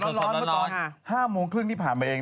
สนับสนุนโดยดีที่สุดคือการให้ไม่สิ้นสุด